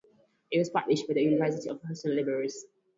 It was published by the University of Houston Libraries.